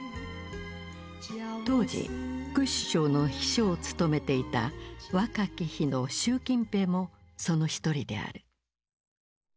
当時副首相の秘書を務めていた若き日の習近平もそのひとりである。